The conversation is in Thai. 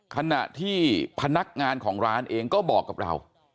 ขณะที่พนักงานของร้านเองก็บอกกับเรา